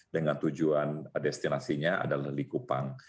dengan tujuan destinasinya adalah likupang